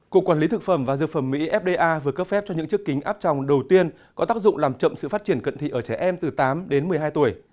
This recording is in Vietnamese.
cục quản lý thực phẩm và dược phẩm mỹ fda vừa cấp phép cho những chiếc kính áp tròng đầu tiên có tác dụng làm chậm sự phát triển cận thị ở trẻ em từ tám đến một mươi hai tuổi